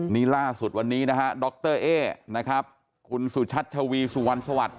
นี้ล่าสุดวันนี้ด็อกเตอร์เอ๊ะคุณสุชัชชวีสวัสดีสวัสดี